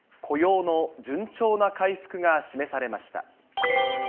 雇用の順調な回復が示されました。